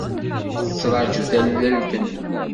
Tettṛaǧu tallalt-nneɣ.